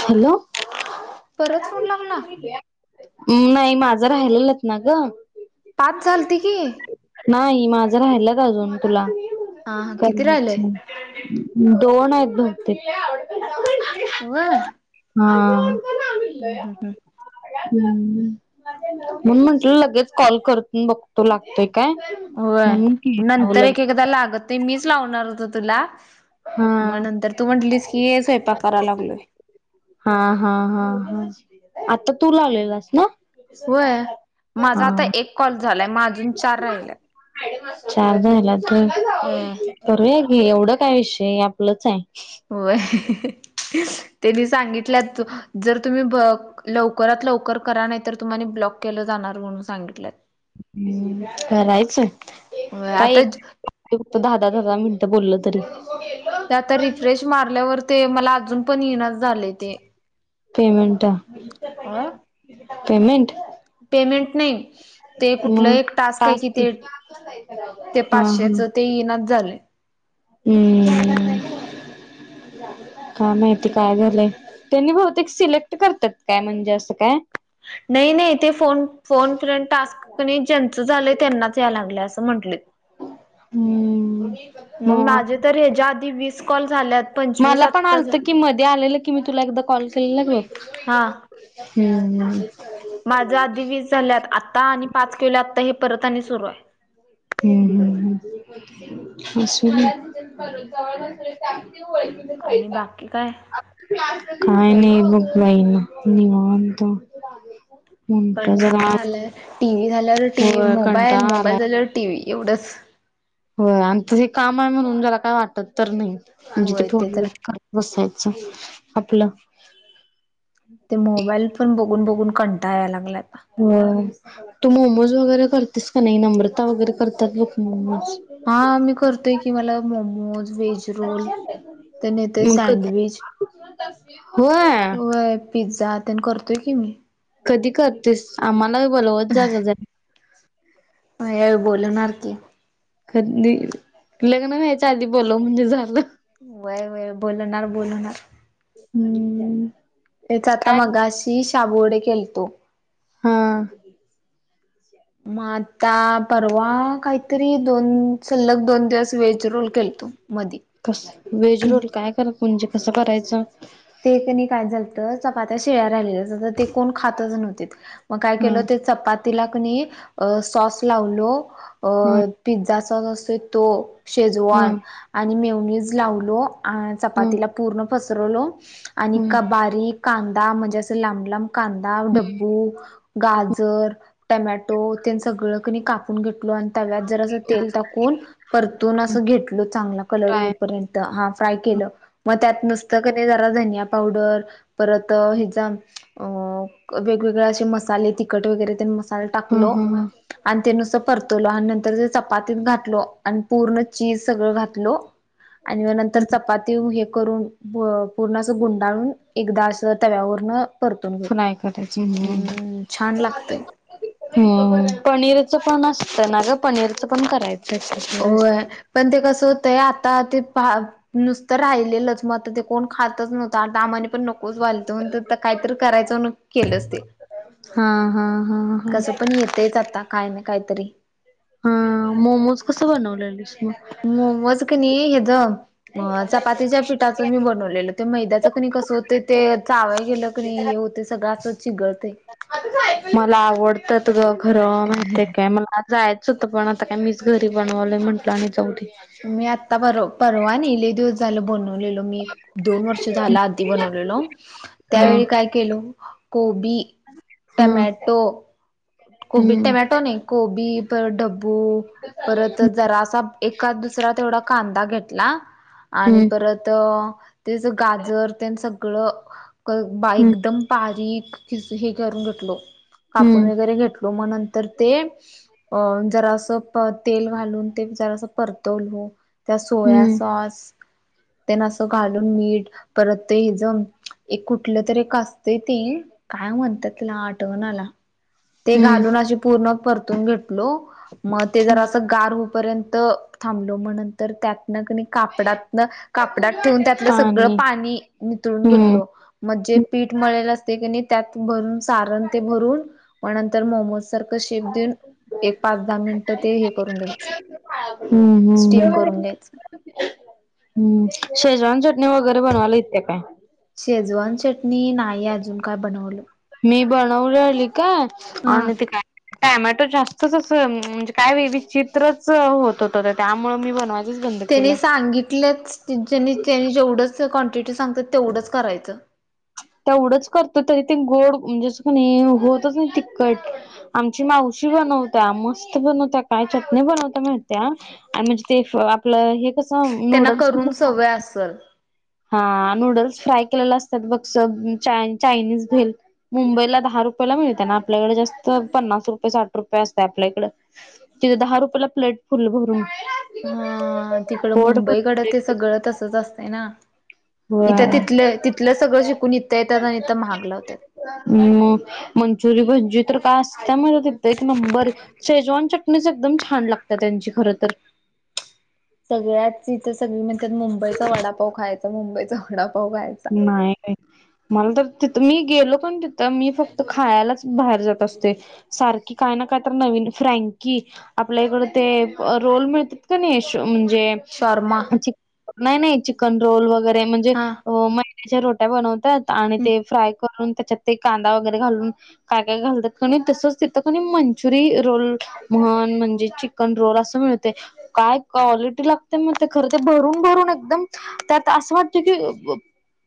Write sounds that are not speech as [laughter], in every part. Hello परत phone लावला नाही माझं राहिलेलंत ना ग पाच चालते की माझ राल अजून तुला हा हा किती राहिलय दोन होते होय हा ह म्हून म्हटलं लगेच कॉल करत बघतो लागतो एक होय नंतर एक लगेच एकदा लागत नाही मीच लावणार होत तुला हा मग नंतर तू म्हटलीस की हे स्वयंपा करायला लागलोय [inaudible] व्हय माझा आता एक कॉल हा झालाय मग अजून चार राहिल्यात चारदाला व्हय तर एवढं काय विषय आपलंच आहे. होय त्यांनी सांगितलं जर तुम्ही लवकरात लवकर करा नाही तर तुम्हानि ब्लॉक केलं जाणार म्हणून सांगितल्यात ह् करायच व्हय काय आता ते त दहा दहा दहा दहा मिनिटं बोलल तरी ते आता रिफ्रेश मारल्यावर ते मला अजून पण येइनाचच झालय ते पेमेंट अ पेमेंट पेमेंट नाही ते कुठलं एक टास्क आहे कि ते ते हा हा पाचशेच ते येईनाच झालंय. हम्म काय कधी माहिती येतंय काय माहित झालंय. त्यांनी बहुतेक सिलेक्ट करतात काय म्हणजे असं काय? नाही नाही ते फोन फोन फ टास्क ज्यांचं झालंय त्यांनाच या लागलं अस म्हणटलेत हम्म मग माझं तर ह्याच्या आधी वीस कॉल झाल्यात पंचवीस मला पण आत्ता झा आलत की मध्ये आलेलं की मी तुला एकदा कॉल केलेला बघ हम्म हम्म. माझ आधी वीज झाल्यात आता आणि पाच केल्यात आता हे परत आणि सुरू आहे हम्म असुदे आणि बाकी काय काय नाही. मग काय आणि निवांत म्हटलं कंटाळ जरा आलाय टी. व्ही झाल्यावर होय मोबाईल कंटाळा मोबाईल आलाय झाल्यावर टी व्ही एवढंच होय आणि ते हे काम आहे म्हणून जरा काय वाटत तर नाही म्हणजे ते होय तर फोडणीच आहे करत बसायचं आपलं ते मोबाईल पण बघून बघून कंटा याला लागलाय. आता. होय. तू मोमोज वगैरे करतेस का नाही नम्रता वगैरे करतात ना हा मी करतोय की मला मोमोज वेज रोल त्या नाही ते मग सँडविच व्हय होय पिझ्झा तेन करतोय की मी कधी करतेस आम्हाला बी बोलवत जा ग व्हय बोलणार की कधी लग्न व्हायच्या आधी बोलाव म्हणजे झालं व्हय व्हय बोलणार बोलणार [inaudible] तेच आता काय मगाशी शाबू वडे केलतो हा मग आता परवा काहीतरी दोन सलग दोन दिवस वेज रोल केलतो मधी. कस वेज रोल काय करत म्हणजे कसं करायचं? ते कणी काय झालत चपात्या शेळ्या राहिलेल्या ते कोण खातच नव्हते मग काय हा केलं ते चपातीला कनी सॉस लावलो हा पिझा अस तो हा शेजवाण आणि मेवनीच लावलो हा चपातीला पूर्ण पसरवलो आणि हा एक बारीक कांदा म्हणजे असं लांब लांब कांदा डब्बू गाजर टमॅटो त्यां सगळं कापून घेतलो आणि तव्यात ज तेल टाकून परतून अस घेतल चांगला कलर फ्राय होपर्यंत हा फ्राय के म त्यात नसत जरा पावडर परत अ वेगवेगळे असे मसाले तिखट वगैरे मसाला हा टाकलो हा हा आणि ते नुसत परतवल आणि नंतर ते चपातीत घातलो आणि पूर्ण चीज सगळं घातलो आणि नंतर चपाती हे करून पूर्ण अस गुंडाळून एकदा स तर व्याऊवरण फ्रय करायची ह्म छान लागतय हम् पनीर पण असत ना ग पनीरच पण करायच हो आहे पण ते कस हो ते आता ते नुसतं राहिलेलंच म ते कोण खातच नव्हतं आमा पण नकोच वालतो काहीत करायच केलं असते हा हा हा हा कसं पण येतच आता काय नाही काहीतरी हा मोमोज कस बनवले मोमच कणी हे ज चपातीच्या पिठाच मी बनवलेल ते मैद्याचं क कसं होते ते चावय गेलं की नाही हे होते सगळं असं चिघळते मला आवडत त खरं माहितीय काय मला जायचं होतं पण आता काय मीच घरी बनवलं म्हटलं आणि जावढी मी आत्ता पर परवा आणि इले दिवस झाल बनून ब मी एक दोन वर्ष झाला आी बनवलेलो हा त्यावेळी काय केल गोभी हम्म टमॅटो गोभी हम्म टमॅटो नाही हम्म गोभी पर ड ू परत जरा असा एका दुसरा तेवढा कांदा घेतला आणि परत त्याच गाजर ते सगळं बा हम्म एकदम पारीकि हे करून घेतलो हम्म कापून वगैरे घेत मग नंतर ते अ जरास तेल घालून ते जरास परतव त्या सोया हम्म सॉस त्यांना असं घालून मीठ परत इजम एक कुठलं तरी एक त त काय म्हणतातिला आठवणाला ते हम्म घालून अे पूर्ण परतून घेतलो मग ते जर असं गार र्य थांबलो त्या कापडात कापडात ठेवून त्यातलं सगळं पाणी पाणीळून घेतल हम्म म जे पीठ मिल असते की नाही त्यात भरून सारण ते भरून मग नंतर मोमोज सारखं शेप देऊन एक पाच दहा मिनिट ते हे करून घ्यायचं हम्म हम्म स्टीम करून हम घ्यायचं हम्म सज रान चटणी वगैरे बनवायला इेते काय शेजवान चटणी नाही अजून काय बनवलं बनव आली का हा आणि ते काय टमॅटो जास्तच असं म्हणजे काय वे विचित्रच होत होत त्यामुळे मी बनवाय त्यानी सांगितलं त्यानी जेवढंचन सां तेवढंच करायचं अ तेवढंच करतो तरी ते गोड म्हणजे अस नाही होतच नाही तिखट आमची मावशी मस्त बनवत काय चटणी बनवत मात्या आणि म्हणजे ते आपलं कस त्यांना नूडल्स करून फ्राय सवय असल. हा नूडल्स फ्राय केले अस ब चायनीज भेल मुंबईला दहा रुपयाला मिळते ना आपल्याकडे जास्त प न्स रुपये साठ रुपये असत आपल्या इकड तिथे दहा रुपयेला प्लेट फुल भरून हा तिकड पोट मुंबईकडं भर ते सगळं तसच असतं ना इथं तिथलं तिथलं सगळं शिकून इथ मंचुरी प जथर का अस म क बर शेजवान चटणीच एकदम छान लागत त्यांची खर तर सगळ्याच इथं सगळी म्हणतात मुंबईचा वडापाव खायचा मुंबईचा वडापाव खायचा. नाही मला तर तिथ मी गेलो पण तिथं मी फक्त खायलाच बाहेर जात असते सारखी काय न फ आपल्या इड मि शॉर्मा का नाही नाही चिकन रोल वगैरे म्हणजे हा. म्याच्या रो्या बनवतात आणि ते फ्राय करून त्याच्यात ते कांदा वगैरे घालून काय काय घालतात तसच तिथं मंचुरी रोल ण काय क खर भ भ एकदम त्यात अस वाट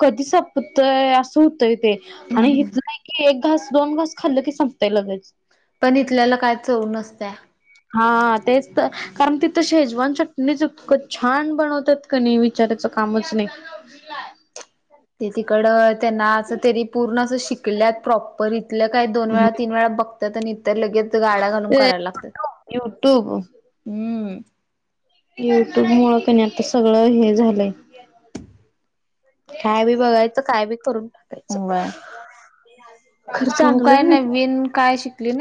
कधी संपतय असं होतय ते आणि हेत नाही की एक घास दोन घास खाल्ल की संपंय लगेच पण इथल्याला काय चव नसत हा तेच तर कारण तिथं शेजवान चटणीचकं छान बनवतात क नाही विचारायच कामच नाही ते तिकड त्यांना असं तरी पूर्ण अस शिकल्यात प्रॉपर इथलं काय दोन वेळा तीन वेळा बघतात आणि तर लगेच गाड्या घालून करायला लागतात युट्यूब हम्म युट्यूब मुळ कणी आता सगळं हे झालंय काय बी बघायचं काय बी करून मुबय हम्म तू काय नवीन काय शिकली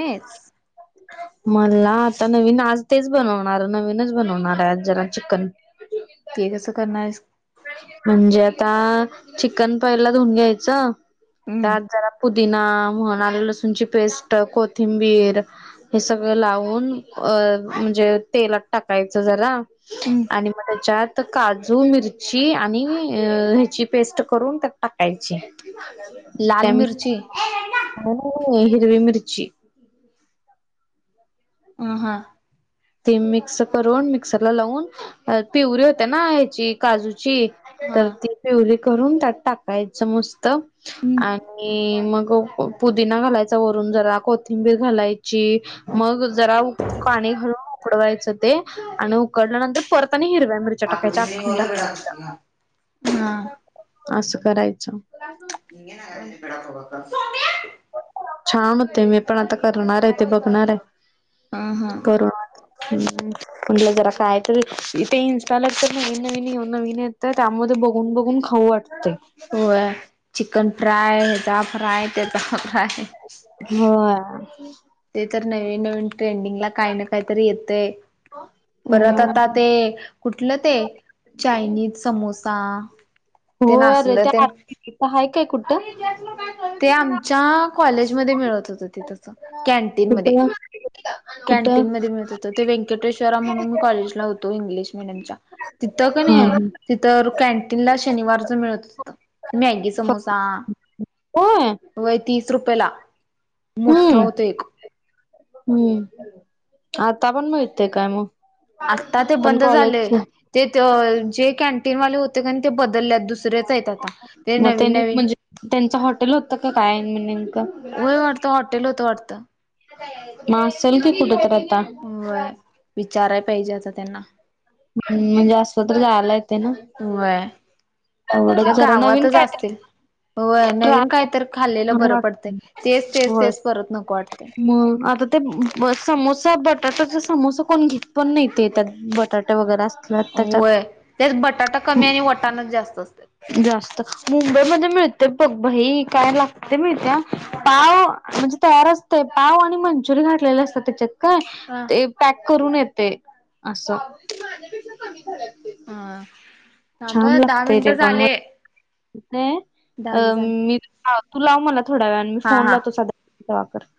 मला आता नवीन आज तेच बनवणार. नवीनच बनवणार आहे आज जरा चिकन ते कसं करणार आहेस म्हणजे आता चिकन पयला धुऊन घ्यायचं हम्म त्यात जरा दििना म्हण आले लसूणची पेस्ट कोथिंबीर हे सगळं लावून अ म्हणजे तेलात टाकायचं झाला हम्म. आणि मग त्याच्यात काजू मिरची ची आणि ह्याची पेस्ट करून त्यात टाकायची लाल त्या मिर्ची हिरवी मिरीची अ हा ते मिक्स करून मिक्सरला लावून पिवररी होते्या ना काजूची हा. तर ती पिवली ून त्यात टाकायच मस्त हम्म आणि मग पुदीिना घालायच वरून जरा कोथिंबीर घालायची मग जरा पाणी घालून उकडवायचं ते आणि उकडल्यानंतर परताने हिर मिरच्या टाकायच्या अखंड हा असं करायचं हम्म छान होते मी पण आता करणार आहे ते बघणार अ हा. आहे करू हम् म्हटलं जरा काय तर ते इनस्टाल नवीन नवीन नवीन येत त्यामध्ये बघून बघून ख वाटते हो चिकन फ्राय फराय तेचा फराय होय नवीन नवीन ट्रेंडिंगला काही ना काहीतरी येतय परत आता ते कुठलं ते चायनीज समोसा हो ते अरे नासलं त्या ते आहे काय कुठं ते आमच्या कॉलेजमध्ये मिळत होत ते तस कॅनटीन म कुठं? कुठं? कॅन्टीन मध्ये मिळत हों ते व्यंकटे्वरा म्हणून मी कॉलेजला होतो इंग्लिश तिथं का हा नाही हा तिथ कॅन्टीन ला शनिवारच मिळत होत मॅगी फक्त समोसा होय वय तीस रुपये ला मोठ्ठा हम्म होतो एक हम्म आता आपण मग येते काय मग आत्ता ते पण बंद झालेय कॉलेजच ते जे कॅनटीनवाले होते का ते ब मग त्यांनी नवीन म्हणजे त्यांच हॉटेल होत का काय म नेमक य वाटतं हॉटेल होत वाटत मा सलतीी कतात होय विचाराय पाहिजे आता त्यांना ह म्हणजे असपत्र जायलाय वय इथल्या तेवढंच जरा नवीन गावातच असतील काहीतरी होय ट्राय नवीन काय तर खाल्लेलं छान बरं वाटत पडतय तेच तेच होय तेच परत नको वाटतय मग आता ते समोसा बटाट्याचा समोसा कोण घेत पण नाही ते त्यात बटाट्या वगैरे आसत्याय होय त्यात बटाटा कमी हम्म, आणि वटाणच जास्त असतात जास्त मुंबईमध्ये मिळतय बघ भाई काय लागतय माहीताय पाव म्हणजे तयार आसतय असते पाव आणि मंचुरी घातलेले असतात त्याच्यात काय हा ते पॅक करून येते असं हा थांब छान दहा लागतय मिनट ते पण म झाले अ झाले झाले मी तू लाव मला थोड्या वेळ मी हा फोन हा लावतो साध्या कर